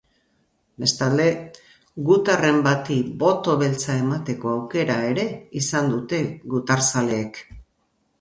Bestalde, gutarren bati boto beltza emateko aukera ere izan dute gutarzaleek.